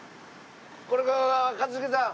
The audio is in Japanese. これが一茂さん。